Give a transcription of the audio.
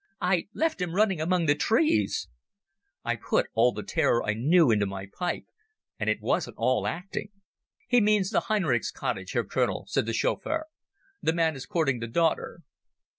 I left him running among the trees." I put all the terror I knew into my pipe, and it wasn't all acting. "He means the Henrichs' cottage, Herr Colonel," said the chauffeur. "This man is courting the daughter."